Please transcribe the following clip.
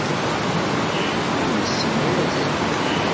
Ur nessin ara azal-im.